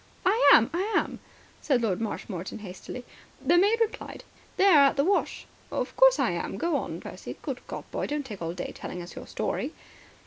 "I am. I am," said Lord Marshmoreton hastily. "The maid replied: 'They're at the wash.' Of course I am. Go on, Percy. Good God, boy, don't take all day telling us your story."